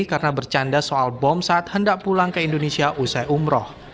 karena bercanda soal bom saat hendak pulang ke indonesia usai umroh